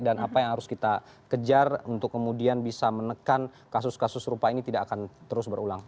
dan apa yang harus kita kejar untuk kemudian bisa menekan kasus kasus serupa ini tidak akan terus berulang